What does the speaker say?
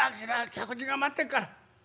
客人が待ってっから。